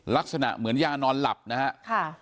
ลักษณะเหมือนยานอนหลับนะฮะ